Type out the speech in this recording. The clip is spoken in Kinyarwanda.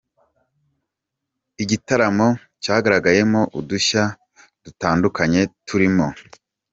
Igitaramo cyagaragayemo udushya dutandukanye turimo :.